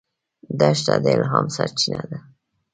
دښته د الهام سرچینه ده.